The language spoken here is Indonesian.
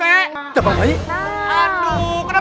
aduh kenapa nggak ditangkep